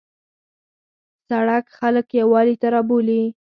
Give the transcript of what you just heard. سړک خلک یووالي ته رابولي.